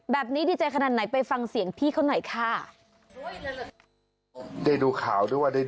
ดีใจขนาดไหนไปฟังเสียงพี่เขาหน่อยค่ะ